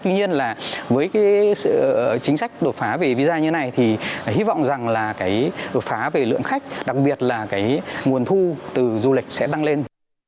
tuy nhiên là với cái chính sách đột phá về visa như này thì hy vọng rằng là cái đột phá về lượng khách đặc biệt là cái nguồn thu từ du lịch sẽ tăng lên